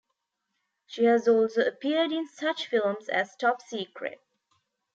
She has also appeared in such films as Top Secret!